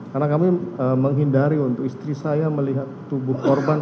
karena kami menghindari untuk istri saya melihat tubuh korban